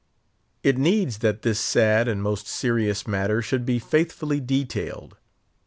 It needs that this sad and most serious matter should be faithfully detailed.